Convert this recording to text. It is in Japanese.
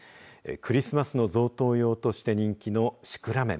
クリスマスの贈答用として人気のシクラメン。